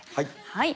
はい。